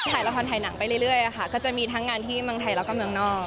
ถ่ายละครถ่ายหนังไปเรื่อยค่ะก็จะมีทั้งงานที่เมืองไทยแล้วก็เมืองนอก